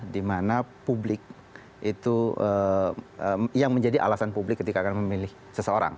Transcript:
dimana publik itu yang menjadi alasan publik ketika akan memilih seseorang